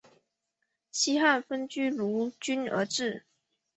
西汉分钜鹿郡而置。